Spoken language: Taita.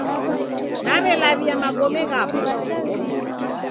Nawelawia Magome ghapo